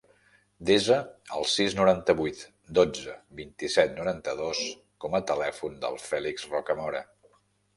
Desa el sis, noranta-vuit, dotze, vint-i-set, noranta-dos com a telèfon del Fèlix Rocamora.